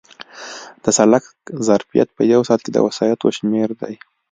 د سړک ظرفیت په یو ساعت کې د وسایطو شمېر دی